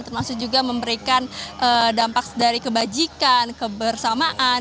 termasuk juga memberikan dampak dari kebajikan kebersamaan